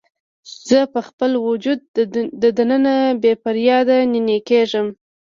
زه په خپل وجود دننه بې فریاده نینې کیږم